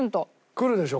くるでしょ？